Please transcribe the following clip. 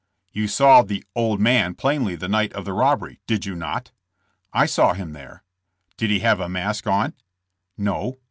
"You saw the 'old man' plainly the night of the robbery, did you not?" "I saw him there." "Did he have a mask on?" "No."